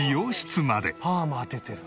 「パーマ当ててる」